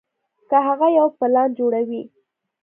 کۀ هغه يو پلان جوړوي